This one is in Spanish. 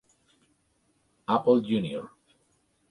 Apple, Jr.